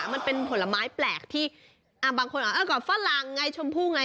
มันเป็นผลไม้แปลกที่บางคนก็ฝรั่งไงชมพู่ไง